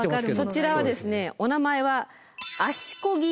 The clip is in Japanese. そちらはですねお名前は足こぎ